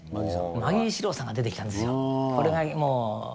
マギー司郎さんが出てきたんですよ。